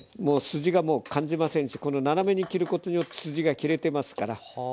筋がもう感じませんしこの斜めに切ることによって筋が切れてますから。